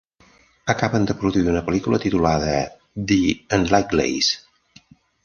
Acaben de produir una pel·lícula titulada The Unlikeleys.